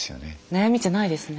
悩みじゃないですね。